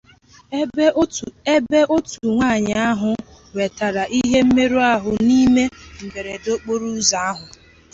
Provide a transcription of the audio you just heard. ebe otu nwaanyị ahụ nwetara ihe mmerụahụ n'ihe mberede okporoụzọ ahụ.